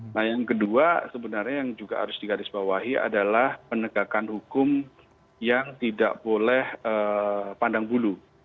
nah yang kedua sebenarnya yang juga harus digarisbawahi adalah penegakan hukum yang tidak boleh pandang bulu